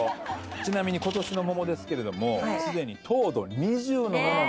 ちなみに今年の桃ですけれどもすでに糖度２０のものが。